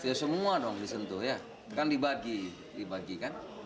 ya semua dong disentuh ya kan dibagi dibagi kan